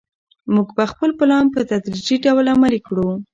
موږ به خپل پلان په تدریجي ډول عملي کړو.